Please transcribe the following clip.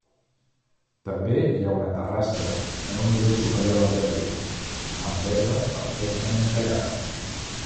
També hi ha una terrassa en un nivell superior al jardí, amb l'herba perfectament tallada.